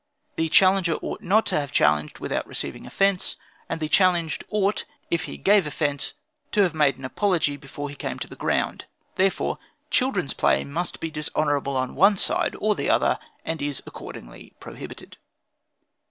The challenger ought not to have challenged without receiving offence; and the challenged ought, if he gave offence, to have made an apology before he came on the ground: therefore, children's play must be dishonorable on one side or the other, and is accordingly prohibited.